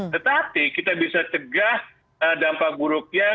tetapi kita bisa cegah dampak buruknya